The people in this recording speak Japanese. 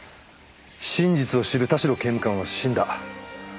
真実を知る田代刑務官は死んだ。